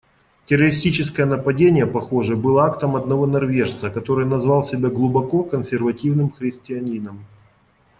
Террористическое нападение, похоже, было актом одного норвежца, который назвал себя глубоко консервативным христианином.